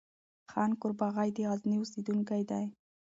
خان قرباغی د غزني اوسيدونکی وو